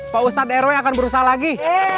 pak ustadz rw akan berusaha lagi